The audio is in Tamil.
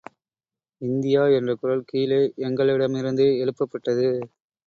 இந்தியா என்ற குரல் கீழே எங்களிடமிருந்து எழுப் பப்பட்டது.